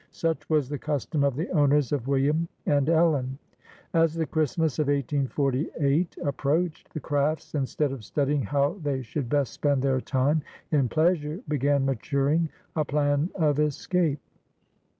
Such was the custom of the owners of William and Ellen. As the Christmas of 1848 approached, the Crafts, instead of studying how they should best spend their time in pleasure, began maturing a plan of escape.